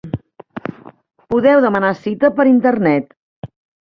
Podeu demanar cita per Internet.